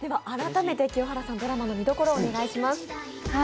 改めて清原さん、ドラマの見どころをお願いします。